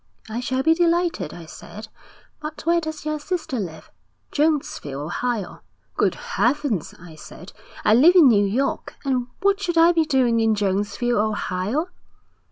"I shall be delighted," I said, "but where does your sister live?" "Jonesville, Ohio," "Good heavens," I said, "I live in New York, and what should I be doing in Jonesville, Ohio?"'